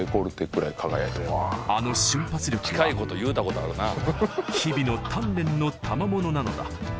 あの瞬発力は日々の鍛錬のたまものなのだ